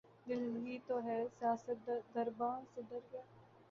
دل ہی تو ہے سیاست درباں سے ڈر گیا